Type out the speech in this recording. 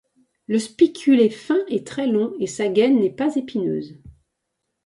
Le spicule est fin et très long, et sa gaine n'est pas épineuse.